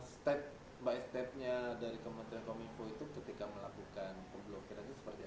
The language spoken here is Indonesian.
step by step nya dari kementerian kominko itu ketika melakukan pemblokirannya seperti apa